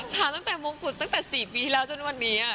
ถามตั้งแต่มงกุฎตั้งแต่๔ปีที่แล้วจนวันนี้